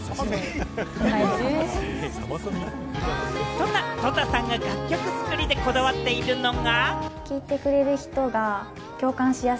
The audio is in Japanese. そんな、とたさんが楽曲作りでこだわっているのが。